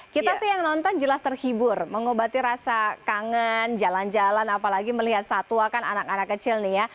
kita sih yang nonton jelas terhibur mengobati rasa kangen jalan jalan apalagi melihat satwa kan anak anak kecil nih ya